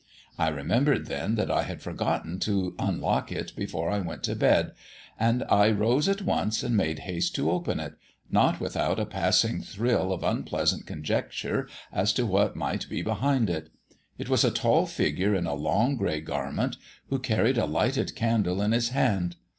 I remembered then that I had forgotten to unlock it before I went to bed, and I rose at once and made haste to open it, not without a passing thrill of unpleasant conjecture as to what might be behind it. It was a tall figure in a long grey garment, who carried a lighted candle in his hand.